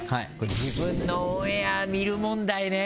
自分のオンエア見る問題ね。